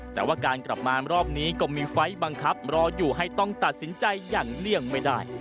แต่ว่าการกลับมารอบนี้ก็มีไฟล์บังคับรออยู่ให้ต้องตัดสินใจอย่างเลี่ยงไม่ได้